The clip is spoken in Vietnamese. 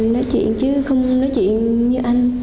nói chuyện chứ không nói chuyện như anh